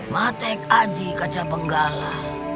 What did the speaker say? matek aji kaca penggala